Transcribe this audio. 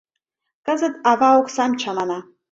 Кызыт ава оксам чамана.